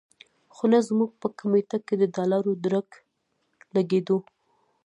خو نه زموږ په کمېټه کې د ډالرو درک لګېدو.